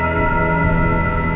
tuan tuan tuan tuan